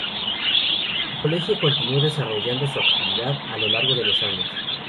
El colegio continuó desarrollando su actividad, a lo largo de los años.